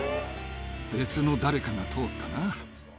別の誰かが通ったな。